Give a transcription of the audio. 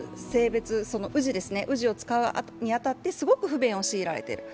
氏を使うに当たってすごく不便を強いられている。